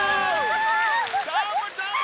どーもどーも！